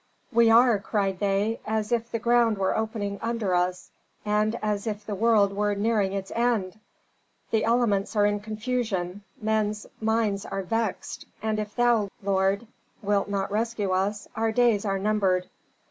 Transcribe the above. "We are," cried they, "as if the ground were opening under us, and as if the world were nearing its end! The elements are in confusion, men's minds are vexed, and if thou, lord, wilt not rescue us, our days are numbered."